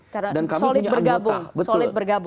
karena solid bergabung